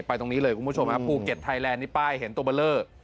ตรงนี้เลยคุณผู้ชมฮะภูเก็ตไทยแลนดนี่ป้ายเห็นตัวเบอร์เลอร์